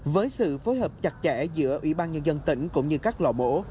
với sự phối hợp chặt chẽ giữa ủy ban nhân dân tỉnh cũng như các lò mổ